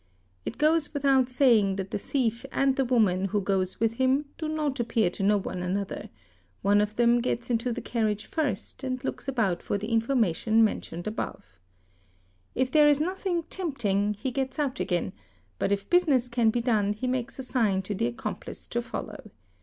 It goes without saying that the thief and the woman who goes with him do not appear to know one another; one of them gets into the carriage first and looks about for the information mentioned above. If there is nothing tempting, he gets out again, but if business can be done he makes a sign to the accomplice to follow.